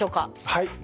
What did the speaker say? はい。